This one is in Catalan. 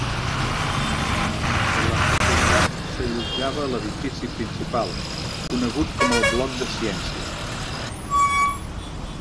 La facultat s'allotjava a l'edifici principal, conegut com el "bloc de ciències".